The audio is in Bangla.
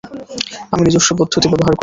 আমি নিজস্ব পদ্ধতি ব্যবহার করব।